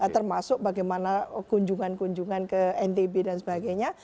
termasuk bagaimana kunjungan kunjungan ke ntb dan sebagainya